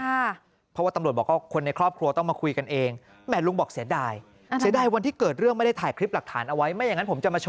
เพราะว่าตำรวจบอกว่าคนในครอบครัวต้องมาคุยกันเอง